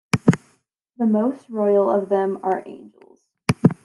The most royal of them are angels.